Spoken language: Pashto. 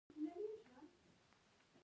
سلیمان غر د طبیعت د ښکلا برخه ده.